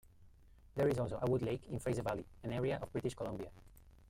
There is also a Wood Lake in Fraser Valley, an area of British Columbia.